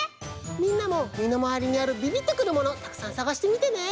みんなもみのまわりにあるビビッとくるものたくさんさがしてみてね！